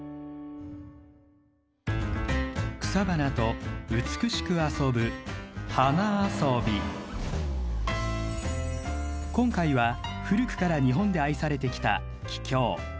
草花と美しく遊ぶ今回は古くから日本で愛されてきたキキョウ。